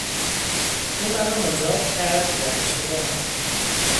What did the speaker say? او مرا مجاب کرد که در اشتباهم.